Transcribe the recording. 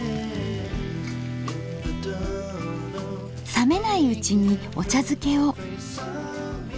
冷めないうちにお茶づけを。